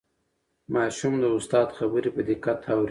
ماشوم د استاد خبرې په دقت اوري